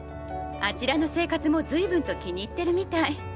あちらの生活も随分と気に入ってるみたい。